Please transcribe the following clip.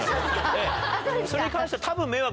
それに関してはたぶん。